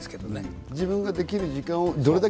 自分ができる時間をどれだけ